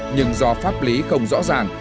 nhưng do pháp lý không rõ ràng